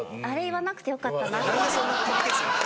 何でそんな取り消すの？